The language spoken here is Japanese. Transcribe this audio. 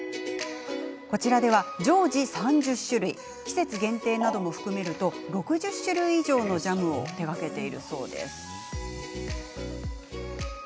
こちらでは常時３０種類季節限定なども含めると６０種類以上ものジャムを手がけているそうです。